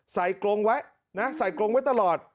ใส่โกรงไว้ใส่โกรงไว้ตลอด